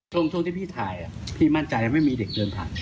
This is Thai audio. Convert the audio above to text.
ช่วงที่พี่ถ่ายพี่มั่นใจไม่มีเด็กเดินผ่าน